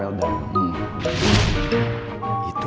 ini di sini ya